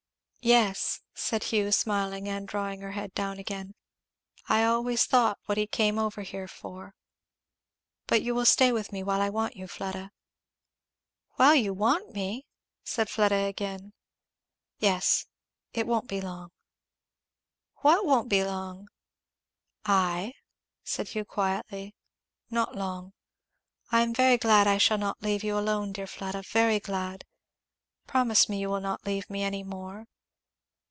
"Yes," said Hugh smiling, and drawing her head down again; I always thought what he came over here for. But you will stay with me while I want you, Fleda?" "While you want me!" said Fleda again. "Yes. It won't be long." "What won't be long?" "I," said Hugh quietly. "Not long. I am very glad I shall not leave you alone, dear Fleda very glad! promise me you will not leave me any more."